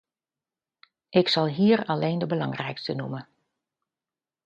Ik zal hier alleen de belangrijkste noemen.